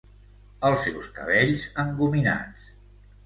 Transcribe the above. Els seus cabells engominats.